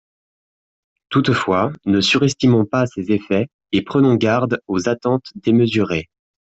Toutefois, ne surestimons pas ses effets et prenons garde aux attentes démesurées.